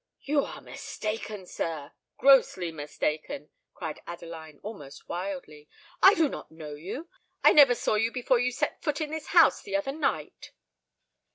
"You are mistaken, sir—grossly mistaken," cried Adeline, almost wildly. "I do not know you—I never saw you before you set foot in this house the other night."